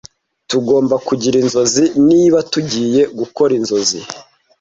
Tugomba kugira inzozi niba tugiye gukora inzozi.